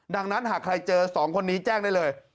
ดังนั้นหากใครเจอ๒คนนี้แจ้งได้เลย